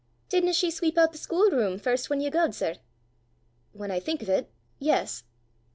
"Didna she sweep oot the schoolroom first whan ye gaed, sir?" "When I think of it yes."